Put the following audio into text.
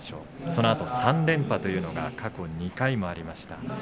そのあと３連覇というのが過去２回もありました。